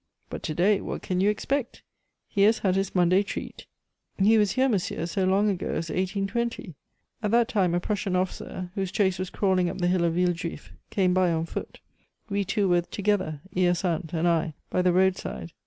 But to day, what can you expect! He has had his Monday treat. He was here, monsieur, so long ago as 1820. At that time a Prussian officer, whose chaise was crawling up the hill of Villejuif, came by on foot. We two were together, Hyacinthe and I, by the roadside.